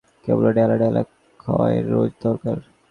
কেবল ড্যালা ড্যালা খয়ের রোজ দরকার।